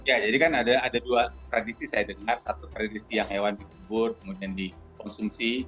ya jadi kan ada dua tradisi saya dengar satu tradisi yang hewan dijebur kemudian dikonsumsi